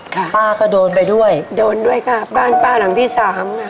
ป้าก็โดนไปด้วยโดนด้วยค่ะบ้านป้าหลังที่สามค่ะ